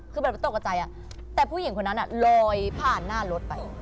คือแบบไม่ตกกับใจแต่ผู้หญิงคนนั้นลอยผ่านหน้ารถไป